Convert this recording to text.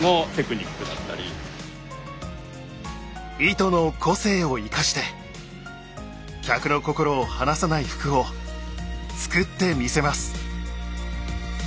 糸の個性を生かして客の心を離さない服を作ってみせます。